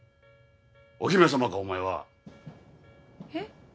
お姫様かお前は。えっ？